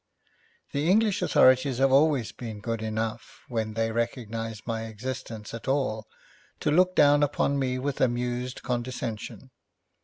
The English authorities have always been good enough, when they recognise my existence at all, to look down upon me with amused condescension.